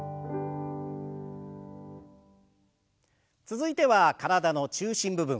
続いては体の中心部分。